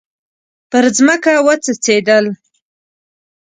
پر مځکه وڅڅیدل